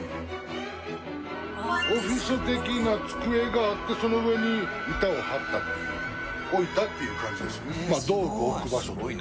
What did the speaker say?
オフィス的な机があってその上に板を貼ったっていう置いたっていう感じです。